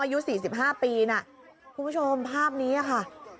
อายุ๔๕ปีนะคุณผู้ชมภาพนี้ค่ะ